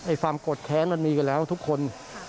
ไอ้ความโกรธแขนมันมีไว้แล้วทุกคน